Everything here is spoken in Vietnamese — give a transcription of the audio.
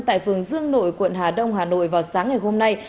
tại phường dương nội quận hà đông hà nội vào sáng ngày hôm nay